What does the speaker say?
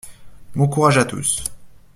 Bon courage à tous.